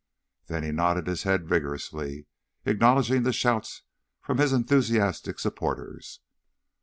Then he nodded his head vigorously, acknowledging the shouts from his enthusiastic supporters.